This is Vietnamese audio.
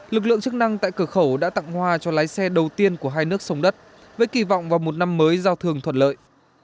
lực lượng chức năng tại cửa khẩu đã tặng hoa cho lái xe đầu tiên của hai nước sông đất với kỳ vọng vào một năm mới giao thương thuận lợi